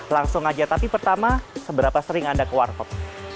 langsung aja tapi pertama seberapa sering anda ke wartep